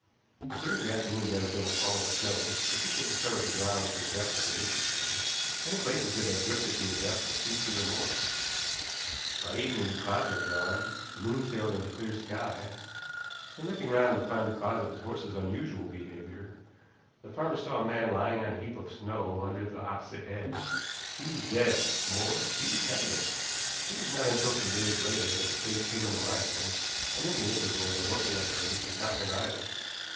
During the afternoon there had been a fall of snow, sufficient to cover the ground to a depth of an inch or so, and in places it had drifted to a depth of two feet or more. By evening the clouds had gone, the moon sailed in a clear sky, and, looking round to find the cause of his horse's unusual behavior, the farmer saw a man lying on a heap of snow under the opposite hedge. He was dead more, he was headless. It was not until some days later that the case came into my hands, and in the interval the local authorities had not been idle.